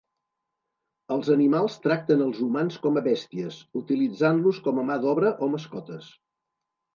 Els animals tracten els humans com a bèsties, utilitzant-los com a mà d'obra o mascotes.